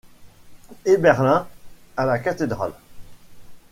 Eberlin à la cathédrale.